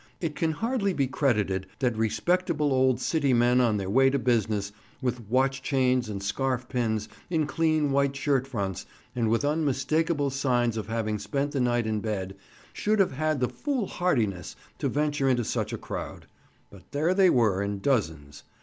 It can hardly be credited that respectable old City men on their way to business, with watch chains and scarf pins, in clean white shirt fronts, and with unmistakable signs of having spent the night in bed, should have had the foolhardiness to venture into such a crowd, but there they were in dozens.